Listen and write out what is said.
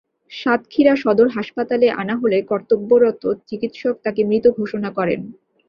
সাতক্ষীরা সদর হাসপাতালে আনা হলে কর্তব্যরত চিকিৎসক তাঁকে মৃত ঘোষণা করেন।